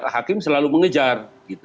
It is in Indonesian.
hakim selalu mengejar